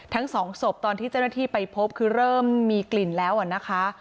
ทั้งสองศพตอนที่เจ้าหน้าที่ไปพบคือเริ่มมีกลิ่นแล้วนะคะ